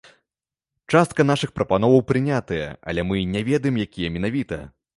Частка нашых прапановаў прынятая, але мы не ведаем, якія менавіта.